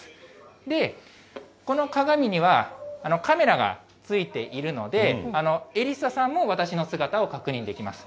で、この鏡には、カメラがついているので、エリッサさんも私の姿を確認できます。